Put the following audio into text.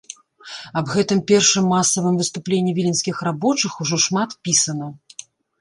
Аб гэтым першым масавым выступленні віленскіх рабочых ужо шмат пісана.